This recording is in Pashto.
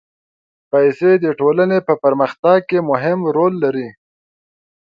پېسې د ټولنې په پرمختګ کې مهم رول لري.